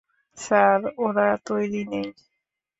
Sir, ওরা তৈরি নেই।